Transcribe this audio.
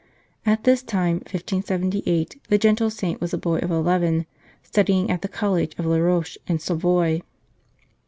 At this time, 1578, the Gentle Saint was a boy of eleven, studying at the College of La Roche in Savoy.